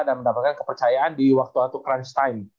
dan mendapatkan kepercayaan di waktu waktu crunch time